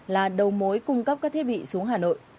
là đầu mối cung cấp các thiết bị xuống hà nội